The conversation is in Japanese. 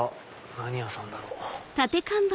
何屋さんだろう？